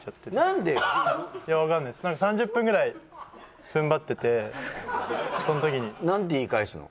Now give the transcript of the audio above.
３０分ぐらいふんばっててそのときに何て言い返すの？